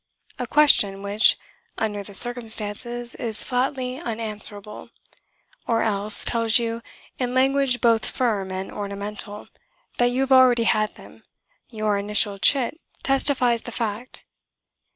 (a question which, under the circumstances, is flatly unanswerable), or else tells you, in language both firm and ornamental, that you have already had them: your initialed chit testifies the fact.